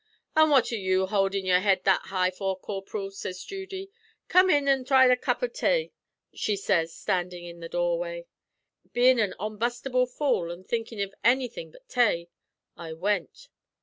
"'An' what are ye houldin' your head that high for, corp'ril?' sez Judy. 'Come in an' thry a cup av tay,' she sez, standin' in the doorway. "Bein' an onbustable fool, an' thinkin' av anythin' but tay, I wint."